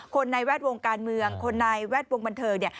คนในแวดวงกาลเมืองคนในแวดวงบันเทิก